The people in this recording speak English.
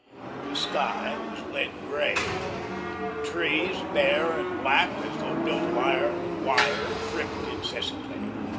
The sky was lead grey; the trees, bare and black as though built of iron and wire, dripped incessantly.